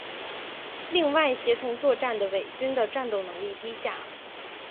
另外协同作战的伪军的战斗能力低下。